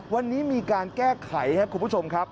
วันนี้มีการแก้ไขครับคุณผู้ชมครับ